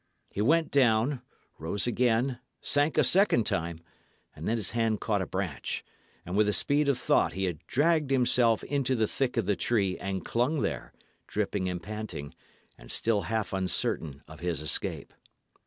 He went down, rose again, sank a second time, and then his hand caught a branch, and with the speed of thought he had dragged himself into the thick of the tree and clung there, dripping and panting, and still half uncertain of his escape.